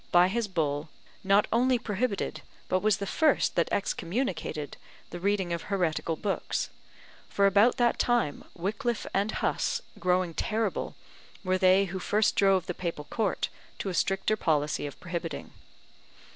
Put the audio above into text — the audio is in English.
by his bull, not only prohibited, but was the first that excommunicated the reading of heretical books; for about that time Wickliffe and Huss, growing terrible, were they who first drove the Papal Court to a stricter policy of prohibiting.